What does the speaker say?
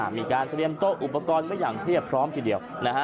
มีการเตรียมโต๊ะอุปกรณ์ไว้อย่างเรียบพร้อมทีเดียว